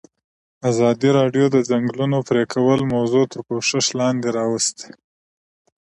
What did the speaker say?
ازادي راډیو د د ځنګلونو پرېکول موضوع تر پوښښ لاندې راوستې.